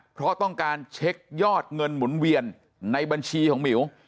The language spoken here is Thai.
เพราะต้องการเช็คยอดเงินหมุนเวียนในบัญชีของหมิว